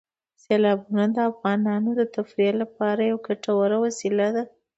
سیلابونه د افغانانو د تفریح لپاره یوه ګټوره وسیله ده.